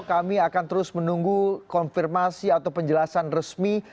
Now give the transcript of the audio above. kami akan terus menunggu konfirmasi atau penjelasan resmi